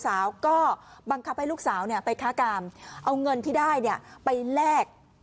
สาวก็บังคับให้ลูกสาวเนี่ยไปค้ากามเอาเงินที่ได้เนี่ยไปแลก